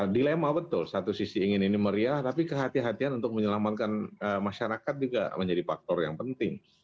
dilema betul satu sisi ingin ini meriah tapi kehatian kehatian untuk menyelamatkan masyarakat juga menjadi faktor yang penting